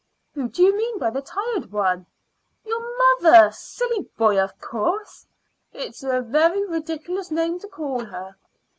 "Who do you mean by the tired one?" "Your mother, silly boy, of course." "It is a very ridiculous name to call her."